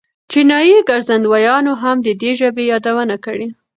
چینایي ګرځندویانو هم د دې ژبې یادونه کړې.